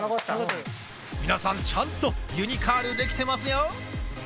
皆さん、ちゃんとユニカールできてますよ。